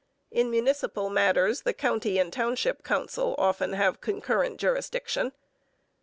In municipal matters the county and township council often have concurrent jurisdiction.